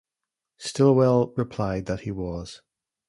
Stilwell replied that he was.